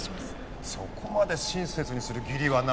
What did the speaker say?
そこまで親切にする義理はないな。